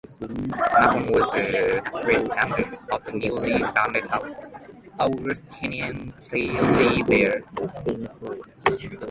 Stephen was the Superintendent of the newly founded Augustinian Priory there.